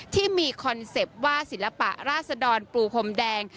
ที่มีคอนเซ็ปต์ว่าศิลปะราษดรปูพรมแดง